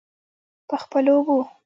په خپلو اوبو.